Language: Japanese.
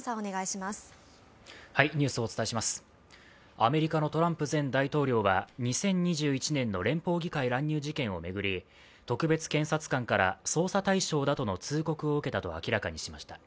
アメリカのトランプ前大統領は２０２１年の連邦議会乱入事件を巡り特別検察官から捜査対象だとの通告を受けたと明らかにしました。